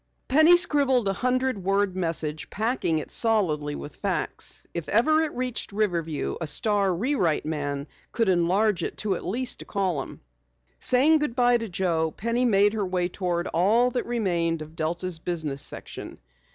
Penny scribbled a hundred word message, packing it solidly with facts. If ever it reached Riverview a Star rewrite man could enlarge it to at least a column. Saying goodbye to Joe, Penny made her way toward all that remained of Delta's business section.